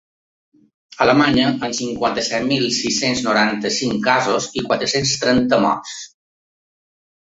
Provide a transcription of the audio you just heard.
Alemanya, amb cinquanta-set mil sis-cents noranta-cinc casos i quatre-cents trenta morts.